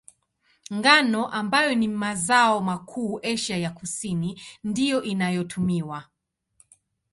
Ngano, ambayo ni mazao makuu Asia ya Kusini, ndiyo inayotumiwa.